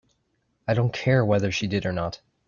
I don't care whether she did or not.